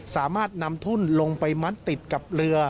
สามารถนำทุ่นลงไปมัดติดกับเรือ